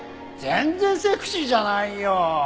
全然セクシーじゃないよ。